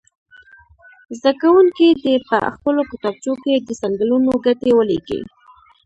زده کوونکي دې په خپلو کتابچو کې د څنګلونو ګټې ولیکي.